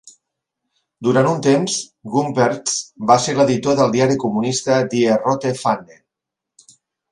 Durant un temps, Gumperz va ser l'editor del diari comunista "Die Rote Fahne".